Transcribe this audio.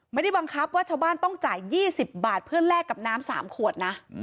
ไม่ได้บังคับว่าชาวบ้านต้องจ่าย๒๐บาทเพื่อแลกกับน้ำ๓ขวดนะ